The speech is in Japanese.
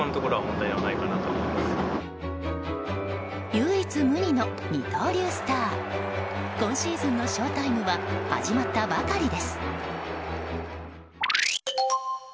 唯一無二の二刀流スター今シーズンのショウタイムは始まったばかりです。